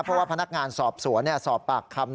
เพราะว่าพนักงานสอบสวนสอบปากคำ